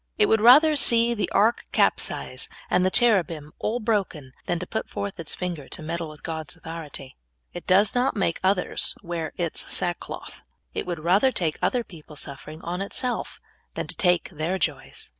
It w^ould rather see the ark capsize, and the cherubim all broken, than to put forth its finger to meddle with God's authority. It does not make others wear its sackcloth. It w^ould rather take other people's sufferings on itself than to take their joys.